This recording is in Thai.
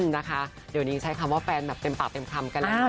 นะคะเดี๋ยวนี้ใช้คำว่าแป๊บเต็มปากเต็มคำกันเลย